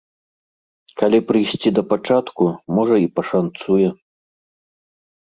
Калі прыйсці да пачатку, можа і пашанцуе?